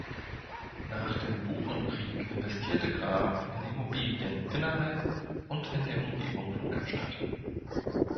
Nach dem Burenkrieg investierte Graaff in Immobilien innerhalb und in der Umgebung von Kapstadt.